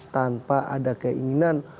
tanpa ada keinginan